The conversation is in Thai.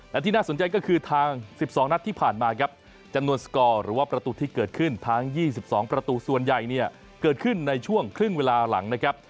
และที่น่าสนใจก็คือทาง๑๒นัดที่ผ่านมาครับจำนวนสกอร์หรือว่าประตูที่เกิดขึ้นทั้ง๒๒ประตูส่วนใหญ่เนี่ยเกิดขึ้นในช่วงครึ่งเวลาหลังนะครับ